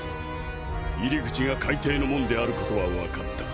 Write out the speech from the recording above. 入り口が海底の門であることはわかった。